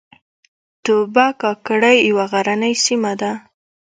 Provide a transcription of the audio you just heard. توبه کاکړۍ یوه غرنۍ سیمه ده